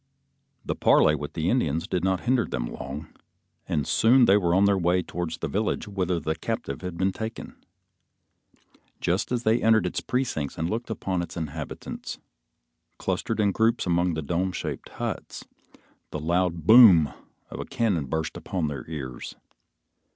The parley with the Indians did not hinder them long, and soon they were on the way towards the village whither the captive had been taken. Just as they entered its precincts and looked upon its inhabitants, clustered in groups among the dome shaped huts, the loud boom of a cannon burst upon their ears.